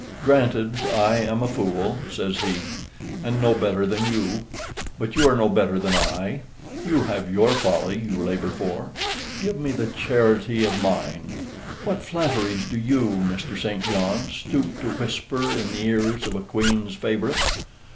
"Granted, I am a fool," says he, "and no better than you; but you are no better than I. You have your folly you labor for; give me the charity of mine. What flatteries do you, Mr. St. John, stoop to whisper in the ears of a queen's favorite?